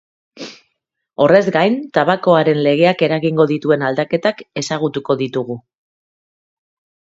Honez gain tabakoaren legeak eragingo dituen aldaketak ezagutuko ditugu.